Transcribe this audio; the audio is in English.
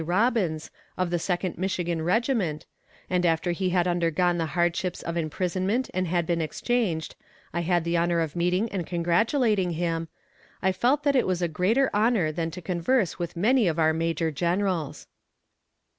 Robbins, of the Second Michigan Regiment, and after he had undergone the hardships of imprisonment and had been exchanged, I had the honor of meeting and congratulating him, I felt that it was a greater honor than to converse with many of our major generals.